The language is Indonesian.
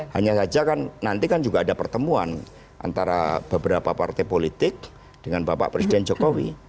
hanya saja kan nanti kan juga ada pertemuan antara beberapa partai politik dengan bapak presiden jokowi